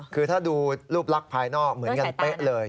คือถ้าดูรูปลักษณ์ภายนอกเหมือนกันเป๊ะเลย